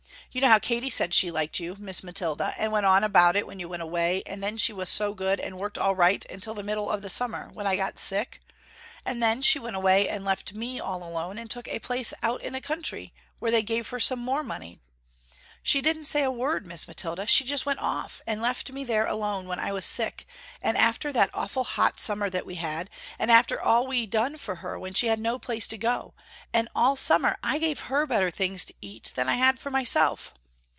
You know how Katy said she liked you, Miss Mathilda, and went on about it when you went away and then she was so good and worked all right until the middle of the summer, when I got sick, and then she went away and left me all alone and took a place out in the country, where they gave her some more money. She didn't say a word, Miss Mathilda, she just went off and left me there alone when I was sick after that awful hot summer that we had, and after all we done for her when she had no place to go, and all summer I gave her better things to eat than I had for myself.